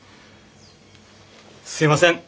すいません